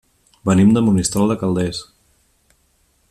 Venim de Monistrol de Calders.